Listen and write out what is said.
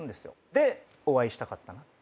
でお会いしたかったなって。